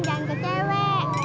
jangan ke cewek